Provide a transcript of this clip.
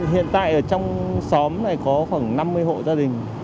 hiện tại ở trong xóm này có khoảng năm mươi hộ gia đình